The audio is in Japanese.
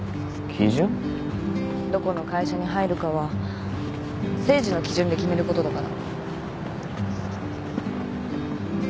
どこの会社に入るかは誠治の基準で決めることだから。